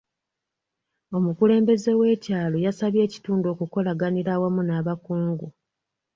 Omukulembeze w'ekyalo yasabye ekitundu okukolaganira awamu n'abakungu.